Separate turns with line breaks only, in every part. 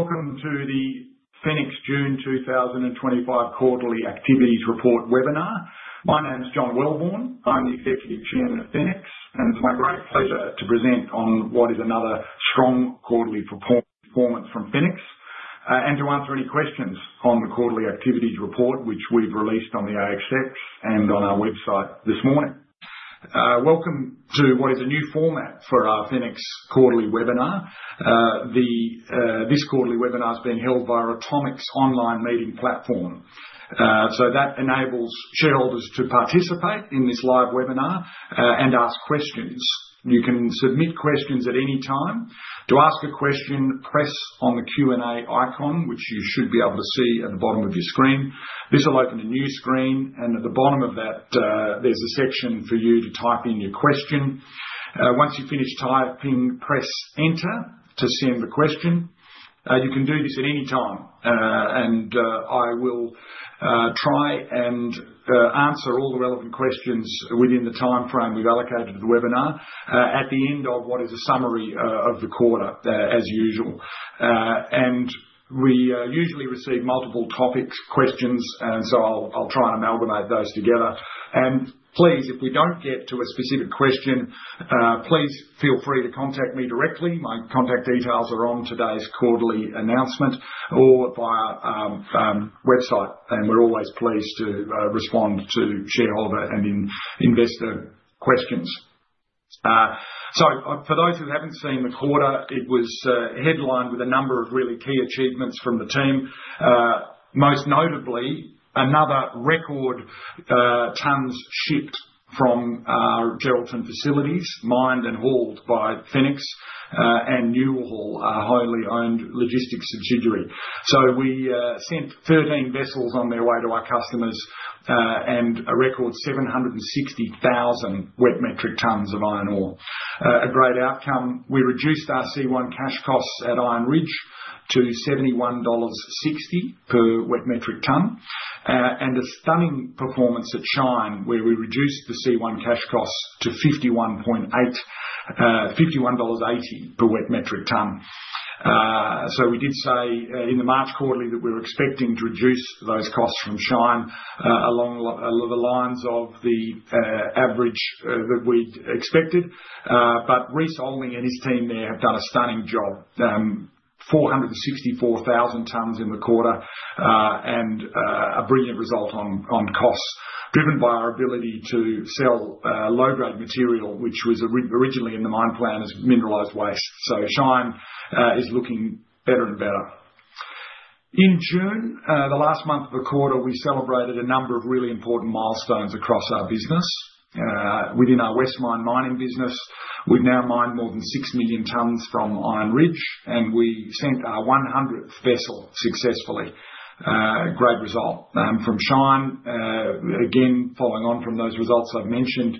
Welcome to the Fenix June 2025 Quarterly Activities Report webinar. My name is John Welborn. I'm the Executive Chairman of Fenix, and it's my great pleasure to present on what is another strong quarterly performance from Fenix, and to answer any questions on the quarterly activities report, which we've released on the ASX and on our website this morning. Welcome to what is a new format for our Fenix quarterly webinar. This quarterly webinar has been held via our Atomics online meeting platform. That enables shareholders to participate in this live webinar and ask questions. You can submit questions at any time. To ask a question, press on the Q&A icon, which you should be able to see at the bottom of your screen. This will open a new screen, and at the bottom of that, there's a section for you to type in your question. Once you finish typing, press Enter to send the question. You can do this at any time. I will try and answer all the relevant questions within the timeframe we've allocated to the webinar at the end of what is a summary of the quarter, as usual. We usually receive multiple topic questions, and I'll try and amalgamate those together. If we don't get to a specific question, please feel free to contact me directly. My contact details are on today's quarterly announcement or on our website, and we're always pleased to respond to shareholder and investor questions. For those who haven't seen the quarter, it was headlined with a number of really key achievements from the team. Most notably, another record tons shipped from our Geraldton facilities, mined and hauled by Fenix and Newhaul, our highly owned logistics subsidiary. We sent 13 vessels on their way to our customers, and a record 760,000 wet metric tons of iron ore. A great outcome. We reduced our C1 cash costs at Iron Ridge to 71.60 dollars per wet metric ton, and a stunning performance at Shine, where we reduced the C1 cash costs to 51.80 dollars per wet metric ton. We did say in the March quarterly that we were expecting to reduce those costs from Shine, along a lot of the lines of the average that we expected, but Rhys Olney and his team there have done a stunning job. 464,000 tons in the quarter, and a brilliant result on costs, driven by our ability to sell low-grade material, which was originally in the mine plan as mineralized waste. Shine is looking better and better. In June, the last month of the quarter, we celebrated a number of really important milestones across our business. Within our mining business, we've now mined more than 6 million tons from Iron Ridge, and we sent our 100th vessel successfully. Great result. From Shine, again, following on from those results I've mentioned,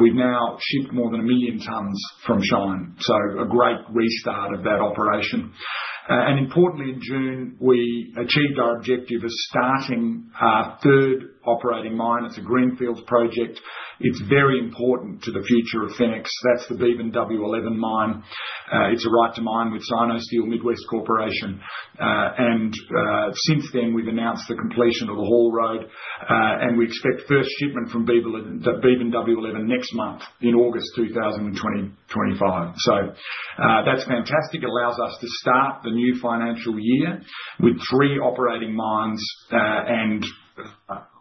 we've now shipped more than a million tons from Shine. A great restart of that operation. Importantly, in June, we achieved our objective of starting our third operating mine. It's a greenfields project. It's very important to the future of Fenix. That's the Beebyn-W11 mine. It's a right to mine with Sinosteel Midwest Corporation. Since then, we've announced the completion of the haul road, and we expect first shipment from Beebyn-W11 next month in August 2025. That's fantastic. It allows us to start the new financial year with three operating mines, and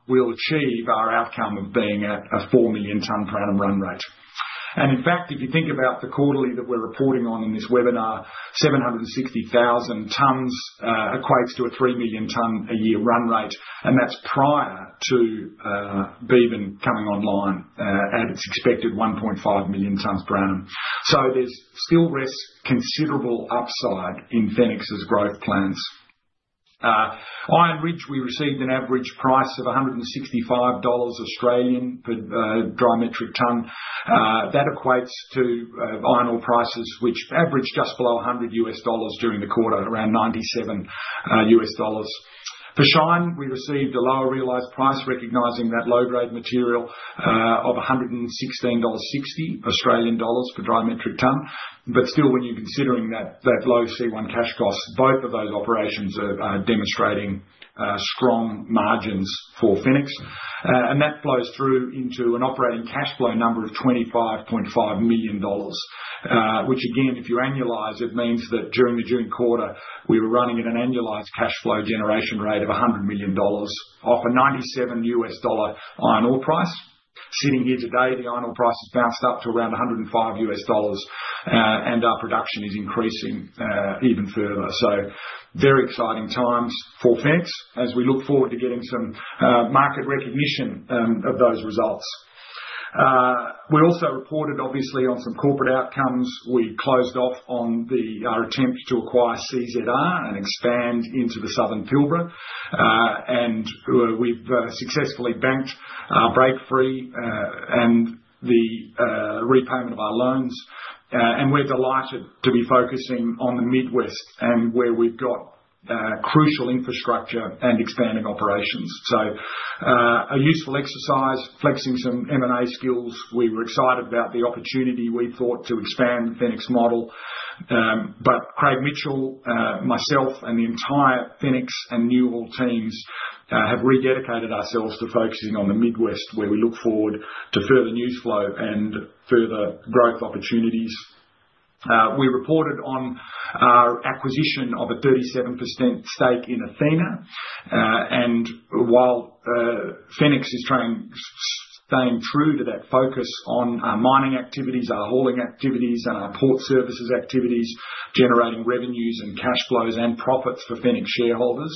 we'll achieve our outcome of being at a 4 million-ton per annum run rate. In fact, if you think about the quarterly that we're reporting on in this webinar, 760,000 tons equates to a 3 million-ton a year run rate, and that's prior to Beebyn coming online at its expected 1.5 million tons per annum. There's still considerable upside in Fenix's growth plans. Iron Ridge, we received an average price of 165 Australian dollars per dry metric ton. That equates to iron ore prices, which averaged just below $100 during the quarter, around $97. For Shine, we received a lower realized price, recognizing that low-grade material, of 116.60 Australian dollars per dry metric ton. Still, when you're considering that low C1 cash cost, both of those operations are demonstrating strong margins for Fenix. That flows through into an operating cash flow number of 25.5 million dollars, which again, if you annualize, it means that during the June quarter, we were running at an annualized cash flow generation rate of 100 million dollars off a $97 iron ore price. Sitting here today, the iron ore price has bounced up to around $105, and our production is increasing even further. Very exciting times for Fenix, as we look forward to getting some market recognition of those results. We also reported, obviously, on some corporate outcomes. We closed off on our attempt to acquire CZR and expand into the southern Pilbara, and we've successfully banked our break-free and the repayment of our loans. We're delighted to be focusing on the Midwest, where we've got crucial infrastructure and expanding operations. A useful exercise, flexing some M&A skills. We were excited about the opportunity we thought to expand the Fenix model. Craig Mitchell, myself, and the entire Fenix and Newhaul teams have rededicated ourselves to focusing on the Midwest, where we look forward to further news flow and further growth opportunities. We reported on our acquisition of a 37% stake in Athena. While Fenix is trying to stay true to that focus on our mining activities, our hauling activities, and our port services activities, generating revenues and cash flows and profits for Fenix shareholders,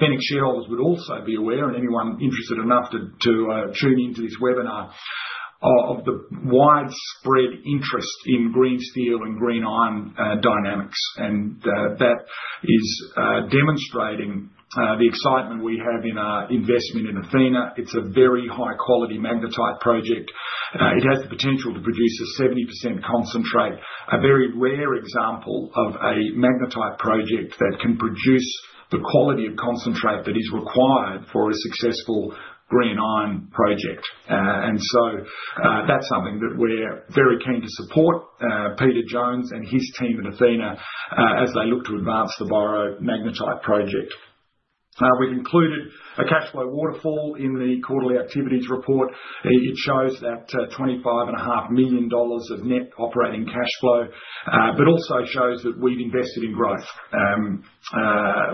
Fenix shareholders would also be aware, and anyone interested enough to tune into this webinar, of the widespread interest in green steel and green iron dynamics. That is demonstrating the excitement we have in our investment in Athena. It's a very high-quality magnetite project. It has the potential to produce a 70% concentrate, a very rare example of a magnetite project that can produce the quality of concentrate that is required for a successful green iron project. That's something that we're very keen to support, Peter Jones and his team at Athena Resources, as they look to advance the Borrow magnetite project. We've included a cash flow waterfall in the quarterly activities report. It shows that 25.5 million dollars of net operating cash flow, but also shows that we've invested in growth.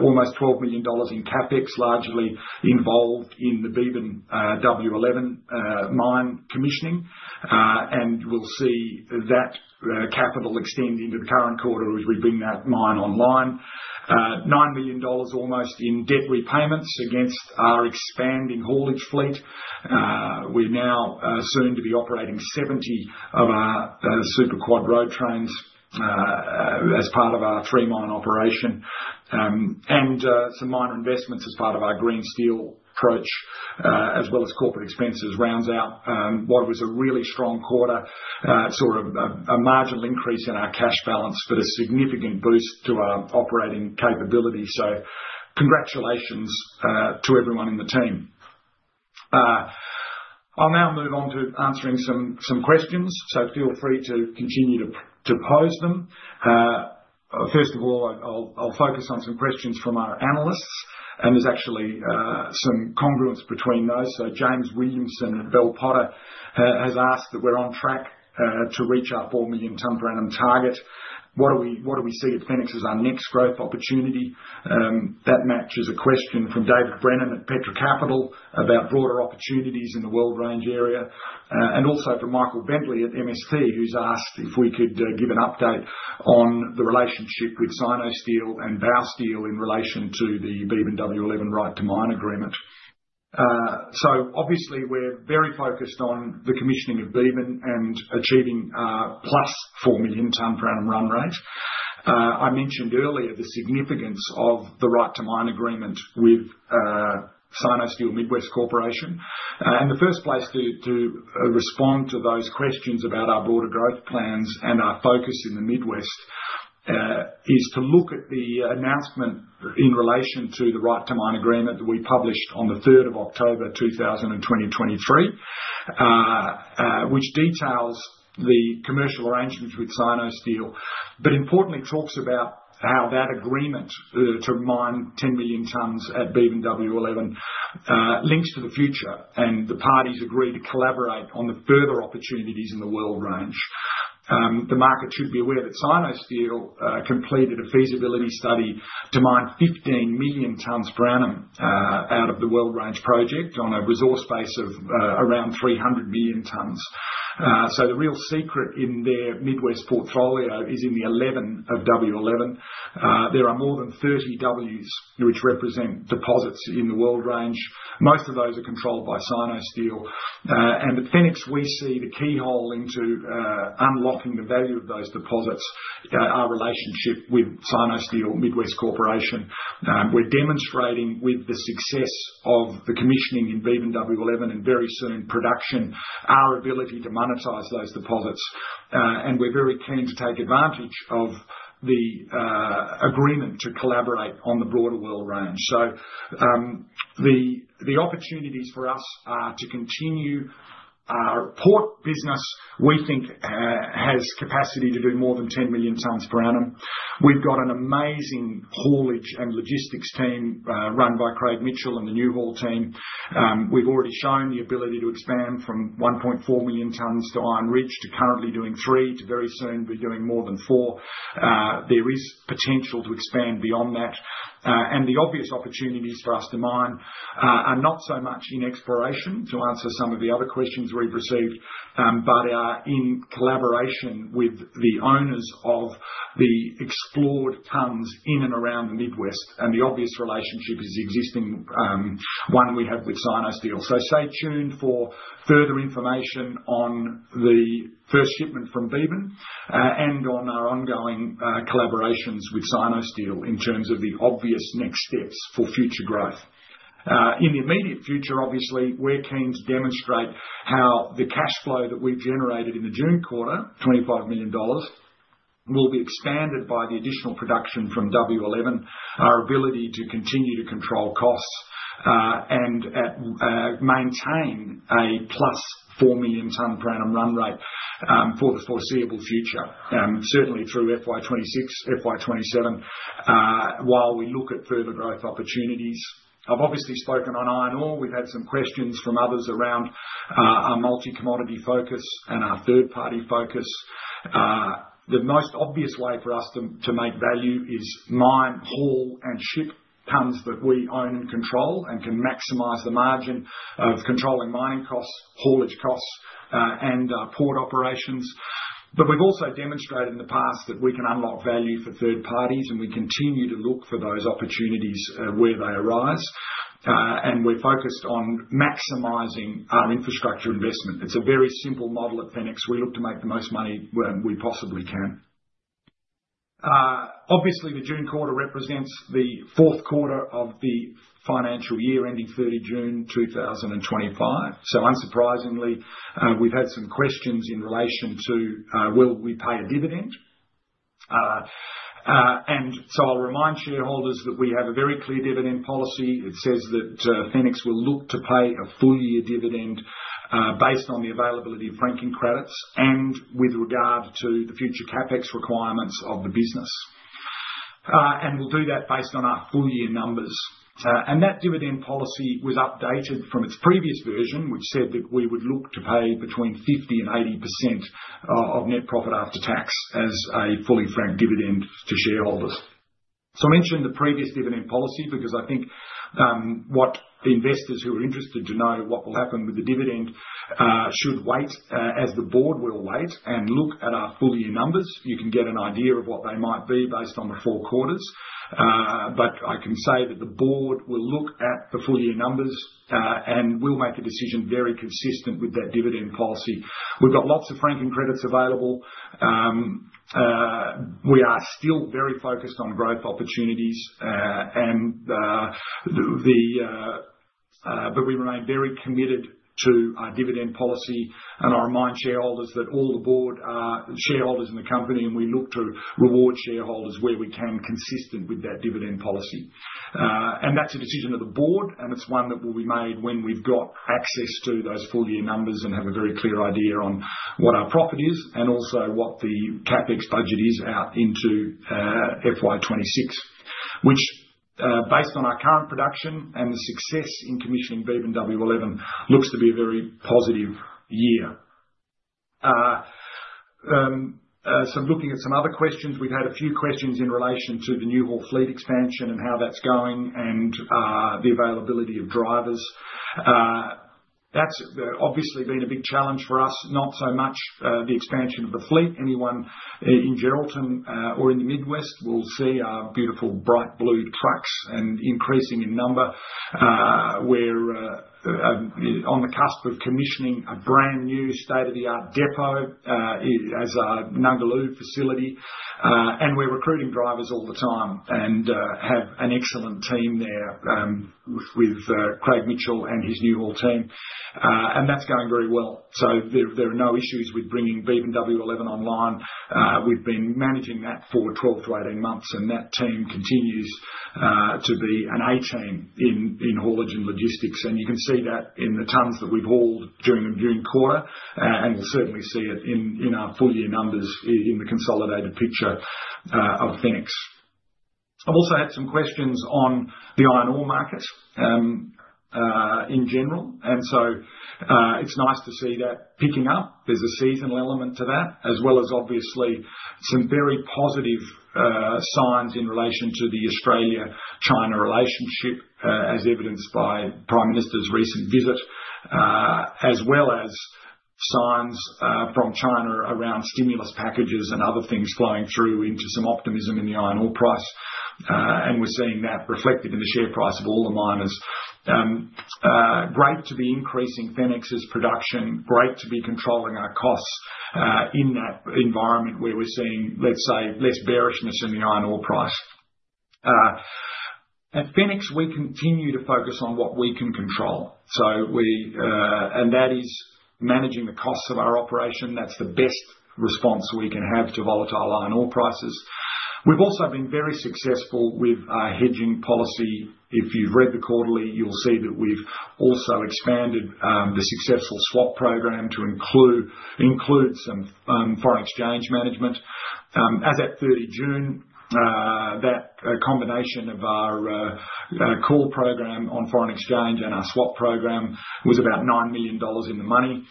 Almost 12 million dollars in CapEx, largely involved in the Beebyn-W11 mine commissioning. We'll see that capex extend into the current quarter as we bring that mine online. 9 million dollars almost in debt repayments against our expanding haulage fleet. We're now soon to be operating 70 of our super quad road trains as part of our three mine operation. Some minor investments as part of our green steel approach, as well as corporate expenses, round out what was a really strong quarter, sort of a marginal increase in our cash balance, but a significant boost to our operating capability. Congratulations to everyone in the team. I'll now move on to answering some questions, so feel free to continue to pose them. First of all, I'll focus on some questions from our analysts, and there's actually some congruence between those. James Williamson at Bell Potter has asked that we're on track to reach our 4 million-ton per annum target. What do we see at Fenix as our next growth opportunity? That matches a question from David Brennan at Petra Capital about broader opportunities in the Weld Range area. Also from Michael Bentley at MST, who's asked if we could give an update on the relationship with Sinosteel and Baosteel in relation to the Beebyn-W11 right to mine agreement. Obviously, we're very focused on the commissioning of Beebyn and achieving our +4 million-ton per annum run rate. I mentioned earlier the significance of the right to mine agreement with Sinosteel Midwest Corporation. The first place to respond to those questions about our broader growth plans and our focus in the Midwest is to look at the announcement in relation to the right to mine agreement that we published on October 3, 2023, which details the commercial arrangements with Sinosteel, but importantly talks about how that agreement to mine 10 million tons at Beebyn-W11 links to the future, and the parties agree to collaborate on the further opportunities in the Weld Range. The market should be aware that Sinosteel completed a feasibility study to mine 15 million tons per annum out of the Weld Range project on a resource base of around 300 million tons. The real secret in their Midwest portfolio is in the 11 of Beebyn-W11. There are more than 30 Ws, which represent deposits in the Weld Range. Most of those are controlled by Sinosteel. At Fenix, we see the keyhole into unlocking the value of those deposits as our relationship with Sinosteel Midwest Corporation. We're demonstrating with the success of the commissioning in Beebyn-W11 and very soon in production, our ability to monetize those deposits. We're very keen to take advantage of the agreement to collaborate on the broader Weld Range. The opportunities for us are to continue our port business. We think it has capacity to do more than 10 million tons per annum. We've got an amazing haulage and logistics team run by Craig Mitchell and the Newhaul team. We've already shown the ability to expand from 1.4 million tons at Iron Ridge to currently doing three, to very soon be doing more than four. There is potential to expand beyond that. The obvious opportunities for us to mine are not so much in exploration, to answer some of the other questions we've received, but are in collaboration with the owners of the explored tons in and around the Midwest. The obvious relationship is the existing one we have with Sinosteel. Stay tuned for further information on the first shipment from Beebyn, and on our ongoing collaborations with Sinosteel in terms of the obvious next steps for future growth. In the immediate future, obviously, we're keen to demonstrate how the cash flow that we've generated in the June quarter, 25 million dollars, will be expanded by the additional production from Beebyn-W11, our ability to continue to control costs, and maintain a +4 million tons per annum run rate for the foreseeable future, certainly through FY 2026, FY 2027, while we look at further growth opportunities. I've obviously spoken on iron ore. We've had some questions from others around our multi-commodity focus and our third-party focus. The most obvious way for us to make value is mine, haul, and ship tons that we own and control and can maximize the margin of controlling mining costs, haulage costs, and our port operations. We've also demonstrated in the past that we can unlock value for third parties, and we continue to look for those opportunities where they arise. We're focused on maximizing our infrastructure investment. It's a very simple model at Fenix. We look to make the most money we possibly can. Obviously, the June quarter represents the fourth quarter of the financial year, ending 30 June 2025. Unsurprisingly, we've had some questions in relation to whether we will pay a dividend. I'll remind shareholders that we have a very clear dividend policy. It says that Fenix Resources will look to pay a full-year dividend based on the availability of franking credits and with regard to the future CapEx requirements of the business. We'll do that based on our full-year numbers. That dividend policy was updated from its previous version, which said that we would look to pay between 50% and 80% of net profit after tax as a fully franked dividend to shareholders. I mention the previous dividend policy because I think what the investors who are interested to know what will happen with the dividend should wait, as the board will wait and look at our full-year numbers. You can get an idea of what they might be based on the four quarters, but I can say that the board will look at the full-year numbers, and we'll make a decision very consistent with that dividend policy. We've got lots of franking credits available. We are still very focused on growth opportunities, but we remain very committed to our dividend policy and remind shareholders that all the board are shareholders in the company, and we look to reward shareholders where we can consistent with that dividend policy. That's a decision of the board, and it's one that will be made when we've got access to those full-year numbers and have a very clear idea on what our profit is and also what the CapEx budget is out into FY 2026, which, based on our current production and the success in commissioning Beebyn-W11, looks to be a very positive year. I'm looking at some other questions. We've had a few questions in relation to the Newhaul fleet expansion and how that's going and the availability of drivers. That's obviously been a big challenge for us, not so much the expansion of the fleet. Anyone in Geraldton or in the Midwest will see our beautiful bright blue trucks and increasing in number. We're on the cusp of commissioning a brand new state-of-the-art depot, as our Ningaloo facility, and we're recruiting drivers all the time and have an excellent team there, with Craig Mitchell and his Newhaul team, and that's going very well. There are no issues with bringing Beebyn-W11 online. We've been managing that for 12 to 18 months, and that team continues to be an A-team in haulage and logistics. You can see that in the tons that we've hauled during the June quarter, and we'll certainly see it in our full-year numbers in the consolidated picture of Fenix. I've also had some questions on the iron ore market in general. It's nice to see that picking up. There's a seasonal element to that, as well as obviously some very positive signs in relation to the Australia-China relationship, as evidenced by the Prime Minister's recent visit, as well as signs from China around stimulus packages and other things flowing through into some optimism in the iron ore price. We're seeing that reflected in the share price of all the miners. Great to be increasing Fenix's production, great to be controlling our costs in that environment where we're seeing, let's say, less bearishness in the iron ore price. At Fenix, we continue to focus on what we can control, and that is managing the costs of our operation. That's the best response we can have to volatile iron ore prices. We've also been very successful with our hedging policy. If you've read the quarterly, you'll see that we've also expanded the successful swap program to include some foreign exchange management. At 30 June, that combination of our core program on foreign exchange and our swap program was about 9 million dollars in the money.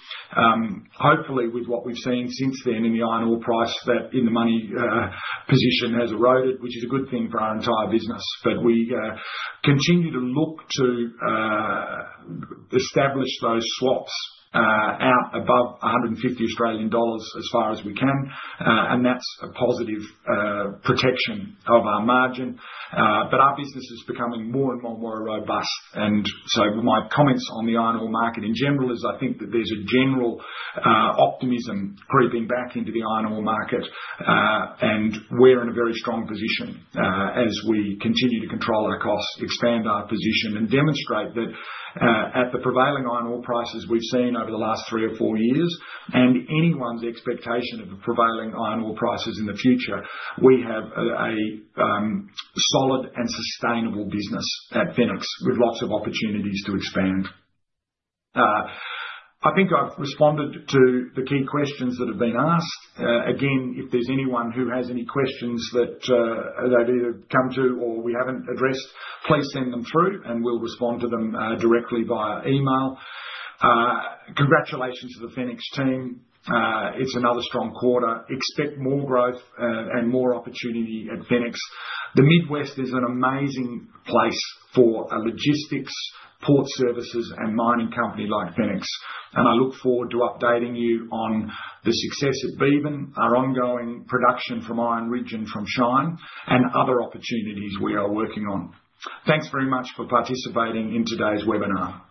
Hopefully, with what we've seen since then in the iron ore price, that in the money position has eroded, which is a good thing for our entire business. We continue to look to establish those swaps out above AUD $150 as far as we can, and that's a positive protection of our margin. Our business is becoming more and more robust. My comments on the iron ore market in general is I think that there's a general optimism creeping back into the iron ore market. We're in a very strong position as we continue to control our costs, expand our position, and demonstrate that at the prevailing iron ore prices we've seen over the last three or four years, and anyone with the expectation of prevailing iron ore prices in the future, we have a solid and sustainable business at Fenix with lots of opportunities to expand. I think I've responded to the key questions that have been asked. If there's anyone who has any questions that I'd either come to or we haven't addressed, please send them through, and we'll respond to them directly via email. Congratulations to the Fenix team. It's another strong quarter. Expect more growth and more opportunity at Fenix. The Midwest is an amazing place for a logistics, port services, and mining company like Fenix. I look forward to updating you on the success at Beebyn, our ongoing production from Iron Ridge and from Shine, and other opportunities we are working on. Thanks very much for participating in today's webinar.